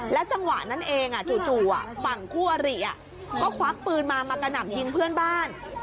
จังหวะนั้นเองจู่ฝั่งคู่อริก็ควักปืนมามากระหน่ำยิงเพื่อนบ้าน